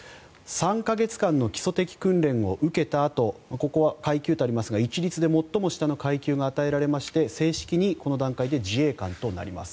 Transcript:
３か月間の基礎的訓練を受けたあとここは階級とありますが一律で最も下の階級が与えられまして正式にこの段階で自衛官となります。